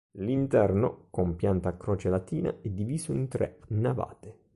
L'interno, con pianta a croce latina, è diviso in tre navate.